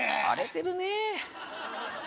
荒れてるね